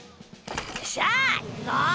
よっしゃいくぞ！